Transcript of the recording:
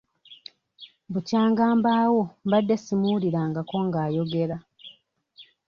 Bukyanga mbaawo mbadde simuwulirangako nga ayogera.